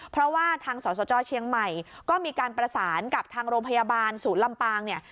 เพราะว่าทางสสจเชียงใหม่ก็มีการประสานกับทางโรงพยาบาลศูนย์ลำปางเนี่ย